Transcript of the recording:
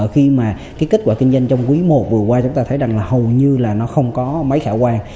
khi mà cái kết quả kinh doanh trong quý i vừa qua chúng ta thấy rằng là hầu như là nó không có mấy khả quan